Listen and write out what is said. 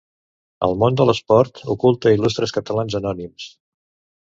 El món de l'esport oculta il·lustres catalans anònims.